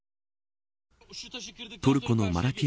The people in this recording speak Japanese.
トルコのマラティア